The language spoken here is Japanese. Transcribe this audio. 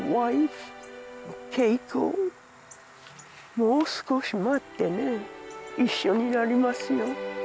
もう少し待ってね一緒になりますよ